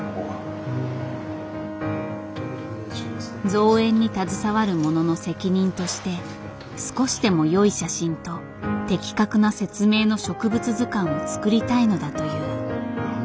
造園に携わる者の責任として少しでも良い写真と的確な説明の植物図鑑を作りたいのだという。